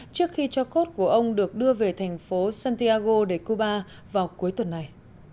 trước khi cho cốt của ông được đưa về thành phố santiago để cuba vào cuối tuần này